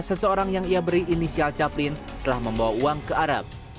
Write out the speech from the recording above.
seseorang yang ia beri inisial caplin telah membawa uang ke arab